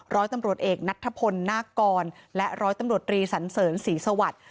ร้อยตำรวจเอกนัทธพลนาคกรและร้อยตำรวจรีสันเสริญศรีสวัสดิ์